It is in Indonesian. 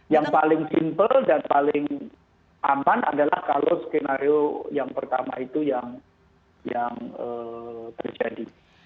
yang paling simple dan paling aman adalah kalau skenario yang pertama itu yang terjadi